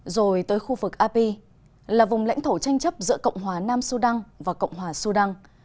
rồi tới khu vực api là vùng lãnh thổ tranh chấp giữa cộng hòa nam sudan và cộng hòa sudan